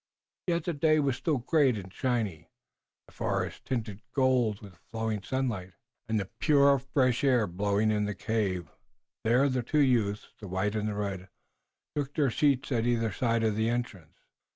Yet the day was still great and shining, the forest tinted gold with the flowing sunlight, and the pure fresh air blowing into the cave. There the two youths, the white and the red, took their seats at either side of the entrance.